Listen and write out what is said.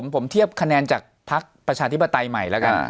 ผมเทียบคะแนนจากพักประชาธิปไตยใหม่แล้วกัน